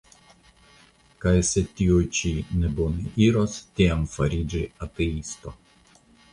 Kaj se tio ĉi ne bone iros, tiam fariĝi ateisto!